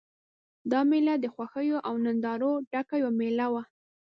دا مېله د خوښیو او نندارو ډکه یوه مېله وه.